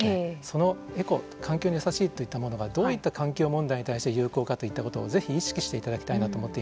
そのエコ環境にやさしいといったものがどういった環境問題に対して有効かといったことを是非意識していただきたいなと思っています。